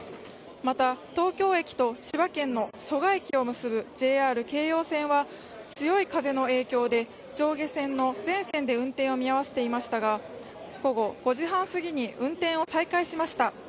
また、東京駅と千葉県の蘇我駅を結ぶＪＲ京葉線は、強い風の影響で上下線の全線で運転を見合わせていましたが、午後５時半すぎに運転を再開しました。